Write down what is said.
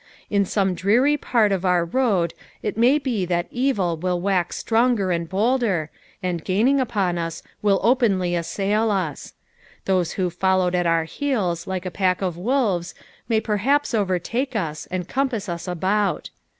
In some dreary part of our road it may be that evil will wax stronger and bolder, and gaining upon us will openly assail us ; those who followed at our heela tike a pack of wolves, may perhaps overtake us, and compass us about.